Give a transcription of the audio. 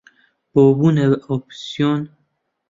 بۆ بوونە ئۆپۆزسیۆن